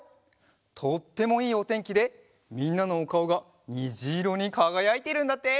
とってもいいおてんきでみんなのおかおがにじいろにかがやいているんだって！